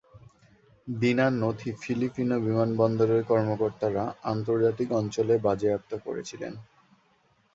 দিনার নথি ফিলিপিনো বিমানবন্দরের কর্মকর্তারা আন্তর্জাতিক অঞ্চলে বাজেয়াপ্ত করেছিলেন।